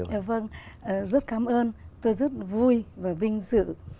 rất cảm ơn tôi rất vui và vinh dự